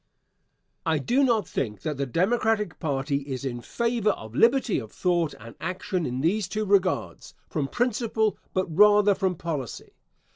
I do not think that the Democratic party is in favor of liberty of thought and action in these two regards, from principle, but rather from policy.